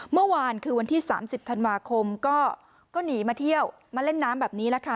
เมื่อวานคือวันที่๓๐ธันวาคมก็หนีมาเที่ยวมาเล่นน้ำแบบนี้แหละค่ะ